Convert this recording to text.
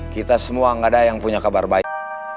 kita semua gak ada yang punya kabar baik